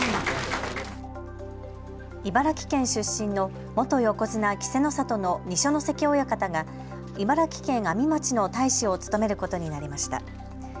茨城県出身の元横綱・稀勢の里の二所ノ関親方が茨城県阿見町の大使を務めることになりました。